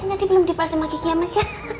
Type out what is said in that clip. enggak itu sebelum dipalsu sama gigi ya mas